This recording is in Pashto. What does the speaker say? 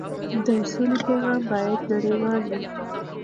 د سولې پیغام باید نړیوال وي.